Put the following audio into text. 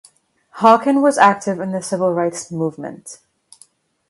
Hawken was active in the Civil Rights Movement.